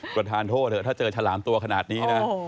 ประธานโทษเถอะถ้าเจอฉลามตัวขนาดนี้นะ